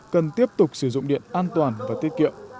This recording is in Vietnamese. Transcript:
cần tiếp tục sử dụng điện an toàn và tiết kiệm